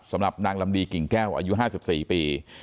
สำหรับนางลำดีกิ่งแก้วอายุ๕๔ปี